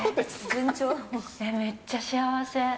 めっちゃ幸せ。